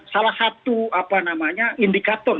salah satu indikator